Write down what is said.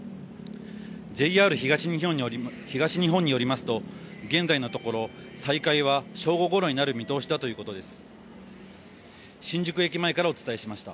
ＪＲ東日本によりますと、現在のところ、再開は正午ごろになる見通しだということです。